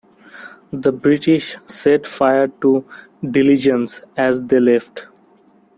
The British set fire to "Diligence" as they left.